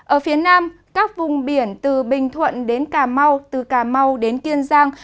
ở phía nam các vùng biển từ bình thuận đến cà mau từ cà mau đến kiên giang